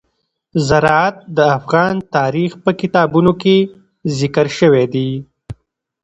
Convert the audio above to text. زراعت د افغان تاریخ په کتابونو کې ذکر شوی دي.